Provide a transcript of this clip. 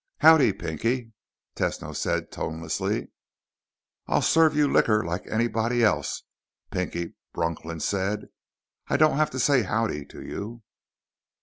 "Howdy, Pinky," Tesno said tonelessly. "I'll serve you liquor like anybody else," Pinky Bronklin said. "I don't have to say howdy to you."